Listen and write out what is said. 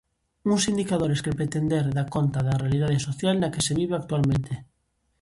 Uns indicadores que pretender da conta da realidade social na que se vive actualmente.